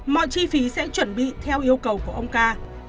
mọi chi phí sẽ chuẩn bị theo yêu cầu của ông ca